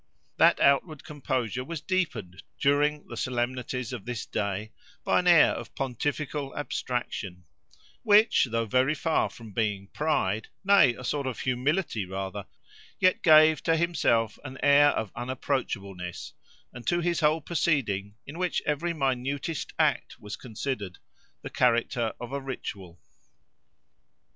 That outward composure was deepened during the solemnities of this day by an air of pontifical abstraction; which, though very far from being pride—nay, a sort of humility rather—yet gave, to himself, an air of unapproachableness, and to his whole proceeding, in which every minutest act was considered, the character of a ritual.